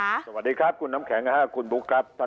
สวัสดีครับคุณน้ำแข็งคุณบุ๊คครับ